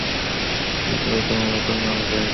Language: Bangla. রিডলার কোনোভাবে তার নাম জেনে গেছে।